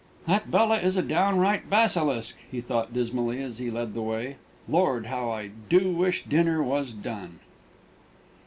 "That Bella is a downright basilisk," he thought dismally, as he led the way. "Lord, how I do wish dinner was done!"